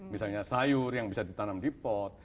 misalnya sayur yang bisa ditanam di pot